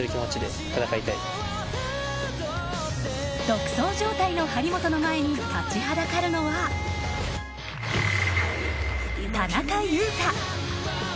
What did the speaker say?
独走状態の張本の前に立ちはだかるのは田中佑汰。